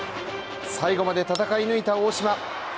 最後まで戦い抜いた大島。